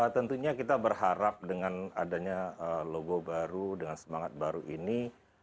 tentunya kita berharap dengan adanya logo baru dengan semangat baru ini